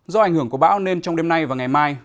do ảnh hưởng của bão nên trong đêm nay và ngày mai